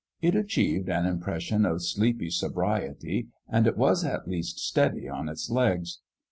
It achieved an impression of sleepy sobriety, and it was at least steady on its legs.